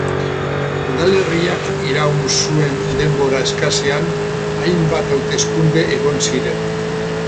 Udalerriak iraun zuen denbora eskasean hainbat hauteskunde egon ziren.